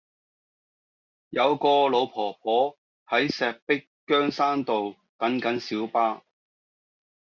有個老婆婆喺石壁羌山道等緊小巴